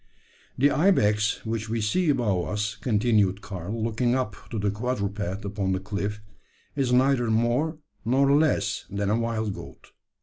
"The ibex which we see above us," continued Karl, looking up to the quadruped upon the cliff, "is neither more nor less than a wild goat.